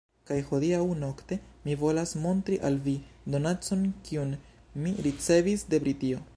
Kaj hodiaŭ nokte mi volas montri al vi, donacon kiun mi ricevis de Britio.